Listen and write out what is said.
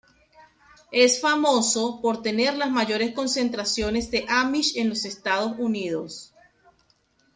Es famoso por tener las mayores concentraciones de amish en los Estados Unidos.